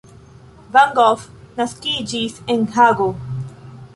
Van Gogh naskiĝis en Hago.